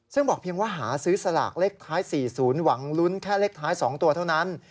ซึ่งบอกเพียงว่าหาซื้อสลากเลขท้าย๔๐หวังลุ้นแค่เลขท้าย๒ตัวเท่านั้น